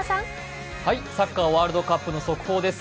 サッカーワールドカップの速報です。